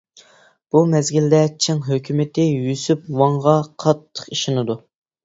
بۇ مەزگىلدە چىڭ ھۆكۈمىتى يۈسۈپ ۋاڭغا قاتتىق ئىشىنىدۇ.